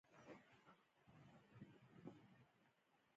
آزاد تجارت مهم دی ځکه چې کیفیت ښه کوي.